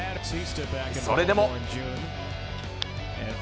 それでも。